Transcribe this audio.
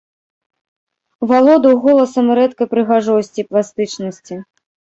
Валодаў голасам рэдкай прыгажосці і пластычнасці.